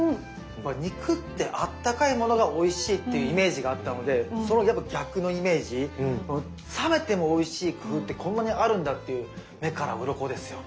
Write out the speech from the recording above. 肉ってあったかいものがおいしいっていうイメージがあったのでその逆のイメージ冷めてもおいしい工夫ってこんなにあるんだっていう目からうろこですよ。